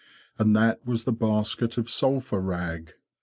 And that was the basket of sulphur rag.